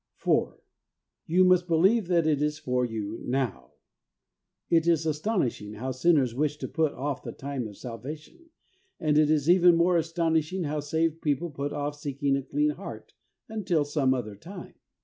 4. You must believe that it is for you noiu. It is astonishing how sinners wish to put off the time of Salvation, and it is even more astonishing how saved people put off seeking a clean heart until some other time.